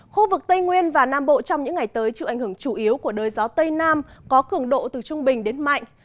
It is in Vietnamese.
khu vực tây nguyên và nam bộ trong những ngày tới chịu ảnh hưởng chủ yếu của đới gió tây nam có cường độ từ trung bình đến mạnh